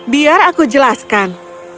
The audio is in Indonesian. biar aku jelaskan